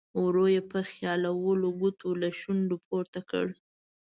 ورو یې په خیالولو ګوتو له شونډو پورته کړ.